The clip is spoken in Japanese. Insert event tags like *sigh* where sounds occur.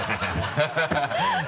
ハハハ *laughs*